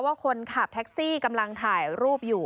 ว่าคนขับแท็กซี่กำลังถ่ายรูปอยู่